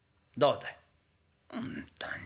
「本当に。